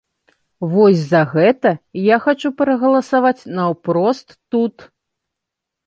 Вось за гэта я хачу прагаласаваць наўпрост тут.